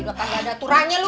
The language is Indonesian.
mana banget sih lu